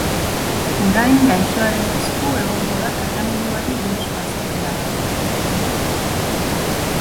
Orain gaixoaren esku egongo da tratamenduari buruzko azken erabakia.